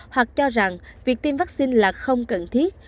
hoặc cho rằng việc tiêm vaccine là không cần thiết